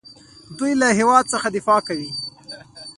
دوی له هیواد څخه دفاع کوي.